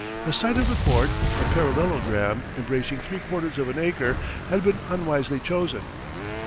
The site of the fort, a parallelogram embracing three quarters of an acre, had been unwisely chosen.